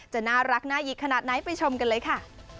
จะน่ารักน่าหิกขนาดไหนไปชมกันเลยค่ะ